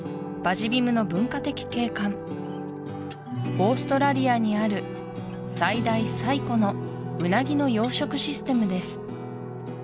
オーストラリアにある最大・最古のウナギの養殖システムです